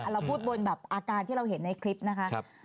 เราพูดบนแบบอาการที่เราเห็นในคลิปนะคะ